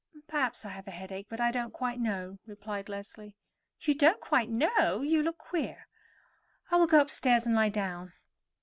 "Perhaps I have a headache; but I don't quite know," replied Leslie. "You don't quite know? You look queer." "I will go upstairs and lie down."